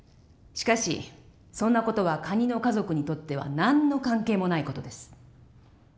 しかしそんな事はカニの家族にとっては何の関係もない事です。